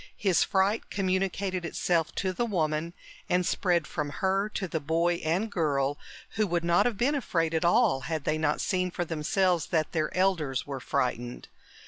His fright communicated itself to the woman ... and spread from her to the boy and girl, who would not have been afraid at all had they not seen for themselves that their elders were frightened.